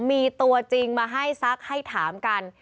มีตัวจริงมาให้ซักให้ถามกัน